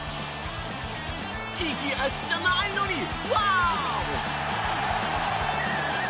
利き足じゃないのにワオ！